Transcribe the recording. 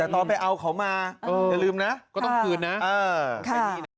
แต่ตอนไปเอาเขามาอย่าลืมนะก็ต้องคืนนะไม่มีนะ